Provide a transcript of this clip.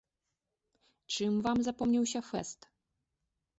Чым вам запомніўся фэст?